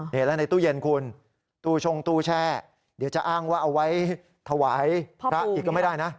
นี่แล้วในตู้เย็นคุณตู้ชงตู้แช่เดี๋ยวจะอ้างว่าเอาไว้ถวายพระอีกก็ไม่ได้นะ